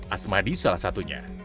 asmadi salah satunya